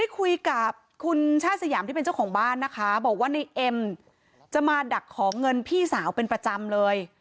คุยกับคุณชาติสยามที่เป็นเจ้าของบ้านนะคะบอกว่าในเอ็มจะมาดักขอเงินพี่สาวเป็นประจำเลย